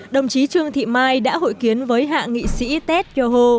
đồng chí trương thị mai đã hội kiến với hạ nghị sĩ ted yoho